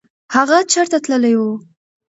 هغه چېرته تللی و؟